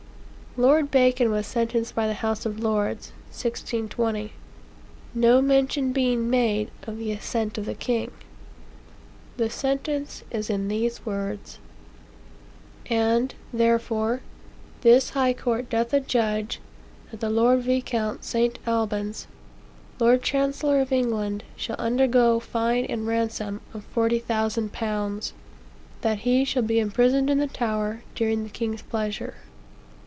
Lord Bacon was sentenced by the House of Lords, (l620,) no mention being made of the assent of the king. The sentence is in these words: "And, therefore, this High Court doth adjudge, That the Lord Viscount St. Albans, Lord Chancellor of England, shall undergo fine and ransom of 40,000 pounds. That he shall be imprisoned in the tower during the king's pleasure.